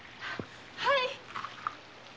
はい。